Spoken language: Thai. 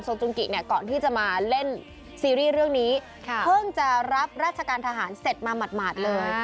จุนกิเนี่ยก่อนที่จะมาเล่นซีรีส์เรื่องนี้เพิ่งจะรับราชการทหารเสร็จมาหมาดเลย